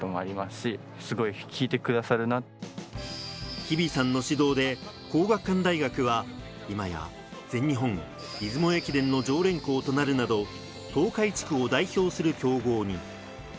日比さんの指導で皇學館大学は今や全日本、出雲駅伝の常連校となるなど東海地区を代表する強豪に。